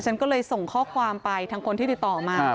ฉันก็เลยส่งข้อความไปทางคนที่ติดต่อมา